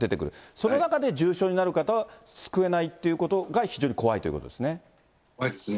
その中で重症になる方が救えないということが、非常に怖いということですね。